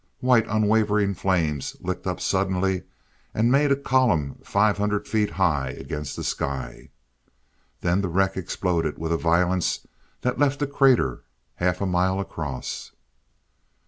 White, unwavering flames licked up suddenly, and made a column five hundred feet high against the dark sky. Then the wreck exploded with a violence that left a crater half a mile across.